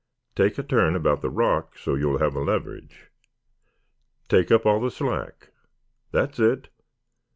"Take a turn about the rock so you will have a leverage. Take up all the slack. That's it.